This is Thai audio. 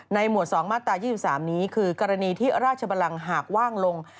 หมวด๒มาตรา๒๓นี้คือกรณีที่ราชบลังหากว่างลง